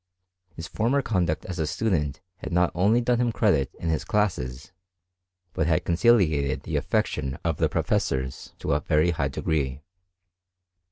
His former conduct as a student had not only done him credit in his classes, but had conciliated the affection of the professors to a very high degree.